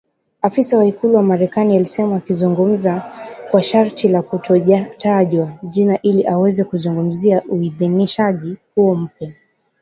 Afisa wa ikulu ya Marekani alisema akizungumza kwa sharti la kutotajwa jina ili aweze kuzungumzia uidhinishaji huo mpya